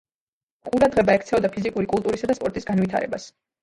ყურადღება ექცეოდა ფიზიკური კულტურისა და სპორტის განვითარებას.